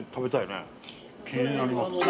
気になりますね。